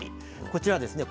こちらはですね